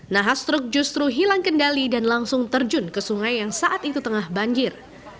nahas truk justru hilang kendali dan langsung terjun ke sungai yang saat itu tengah banjir